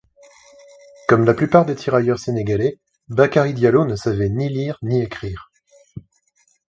Comme la plupart des tirailleurs sénégalais, Bakary Diallo ne savait ni lire ni écrire.